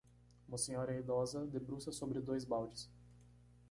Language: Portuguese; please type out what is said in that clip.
Uma senhora idosa debruçada sobre dois baldes.